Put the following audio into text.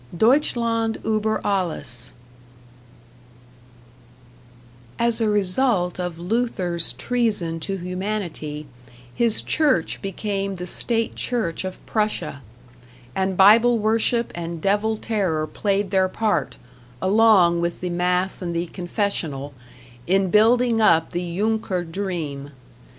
#Deutschland ueber Alles# As a result of Luther's treason to humanity, his church became the state church of Prussia, and Bible worship and Devil terror played their part, along with the Mass and the Confessional, in building up the Junker dream.